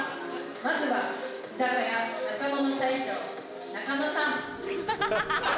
まずは居酒屋中野の大将中野さん。